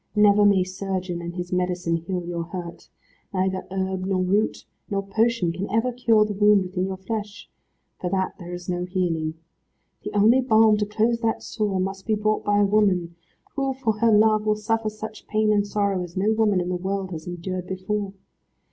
Never may surgeon and his medicine heal your hurt. Neither herb nor root nor potion can ever cure the wound within your flesh: For that there is no healing. The only balm to close that sore must be brought by a woman, who for her love will suffer such pain and sorrow as no woman in the world has endured before.